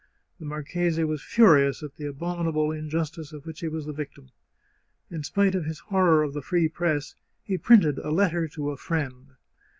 The marchese was furious at the abominable injustice of which he was the victim. In spite of his horror of the free press, he printed a Letter to a Friend.